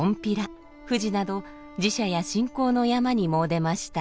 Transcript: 富士など寺社や信仰の山に詣でました。